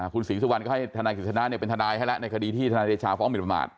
คุณศรีสุวรรณก็ให้ทนายกฤษณะเป็นทนายให้แล้วในคดีที่ทนายเดชาฟ้องหมินประมาท